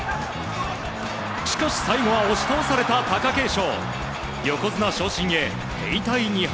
しかし最後は押し倒された貴景勝。